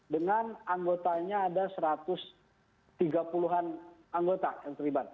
dengan anggotanya ada satu ratus tiga puluh an anggota yang terlibat